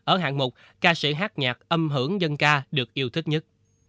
ở hạng mục ca sĩ hát nhạc âm hưởng dân ca được yêu thích nhất